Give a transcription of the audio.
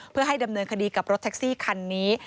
เพื่อให้ดำเนินคดีกับรถแท็กซี่คันนี้